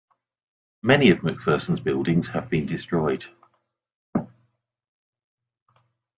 Many of MacPherson's buildings have been destroyed.